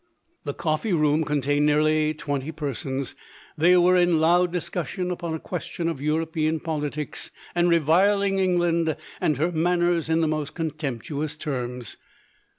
The coffee room contained nearly twenty per sons. They were in loud discussion upon a question of European politico, and reviling England and her manners in the most contemp tuous terms.